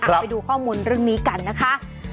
ไปดูข้อมูลเรื่องนี้กันนะคะ